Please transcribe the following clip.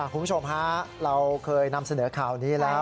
คุณผู้ชมฮะเราเคยนำเสนอข่าวนี้แล้ว